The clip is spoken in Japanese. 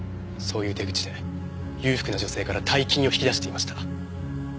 そういう手口で裕福な女性から大金を引き出していました。